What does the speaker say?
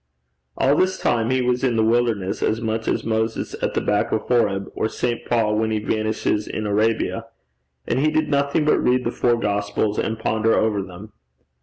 All this time he was in the wilderness as much as Moses at the back of Horeb, or St. Paul when he vanishes in Arabia: and he did nothing but read the four gospels and ponder over them.